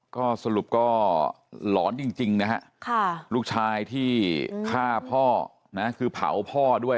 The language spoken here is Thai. ก็สรุปก็หลอนจริงนะฮะลูกชายที่ฆ่าพ่อนะคือเผาพ่อด้วย